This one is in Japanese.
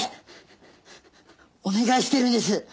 お願いしてるんです。